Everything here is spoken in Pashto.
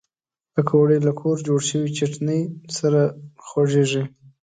پکورې له کور جوړ شوي چټني سره خوږېږي